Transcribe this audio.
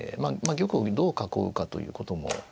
玉をどう囲うかということも。